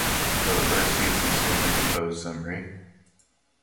For the first season Stanley composed Zimri.